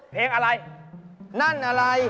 เพลงอะไรนั่นอะไร